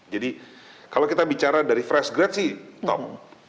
jadi kalau kita bicara dari fresh grad sih top